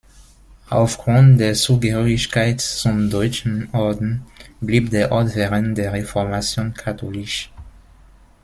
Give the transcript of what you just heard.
Aufgrund der Zugehörigkeit zum Deutschen Orden blieb der Ort während der Reformation katholisch.